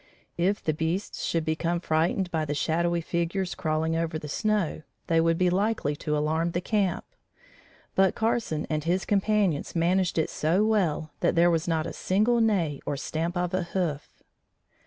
If the beasts should become frightened by the shadowy figures crawling over the snow, they would be likely to alarm the camp; but Carson and his companions managed it so well that there was not a single neigh or stamp of a hoof.